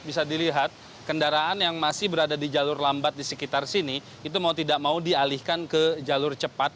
bisa dilihat kendaraan yang masih berada di jalur lambat di sekitar sini itu mau tidak mau dialihkan ke jalur cepat